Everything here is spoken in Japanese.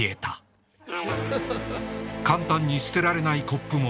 簡単に捨てられないコップも作った。